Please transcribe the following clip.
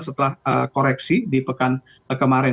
setelah koreksi di pekan kemarin